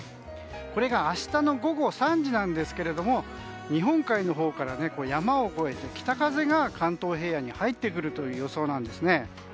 これが明日の午後３時なんですが日本海のほうから山を越えて北風が関東平野に入ってくる予想なんです。